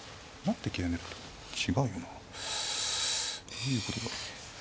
どういうことだろう。